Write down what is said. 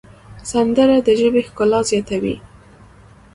سندره د ژبې ښکلا زیاتوي